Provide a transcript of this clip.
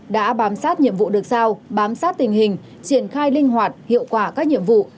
đã bám sát nhiệm vụ được sao bám sát tình hình triển khai linh hoạt hiệu quả các nhiệm vụ